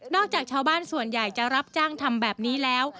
จากชาวบ้านส่วนใหญ่จะรับจ้างทำแบบนี้แล้ว